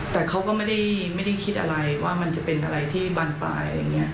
แต่เขาก็ไม่ได้คิดอะไรว่ามันจะเป็นอะไรที่บรรปลาย